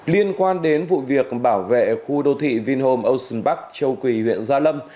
liên quan đến vụ việc bảo vệ khu đô thị vinhome ocean park châu quỳ huyện gia lâm